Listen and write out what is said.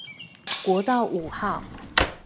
國道五號